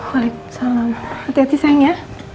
waalaikumsalam hati hati sayang ya